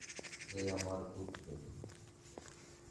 হে আমার পুত্র!